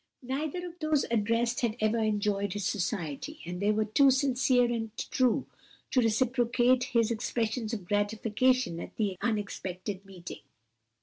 Neither of those addressed had ever enjoyed his society, and they were too sincere and true to reciprocate his expressions of gratification at the unexpected meeting.